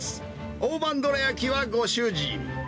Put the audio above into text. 大判どらやきはご主人。